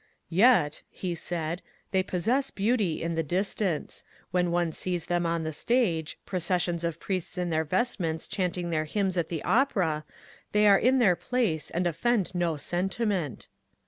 " Yet," he said, *' they possess beauty in the distance. When one sees them on the stage, — processions of priests in their vestments chanting their hymns at the opera, — they are in their place, and offend no sentiment."